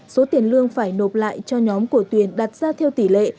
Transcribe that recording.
số tiền lương phải nộp lại cho nhóm của tuyền đặt ra theo tỷ lệ